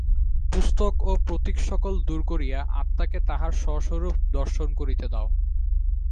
পুস্তক ও প্রতীকসকল দূর করিয়া আত্মাকে তাহার স্ব-স্বরূপ দর্শন করিতে দাও।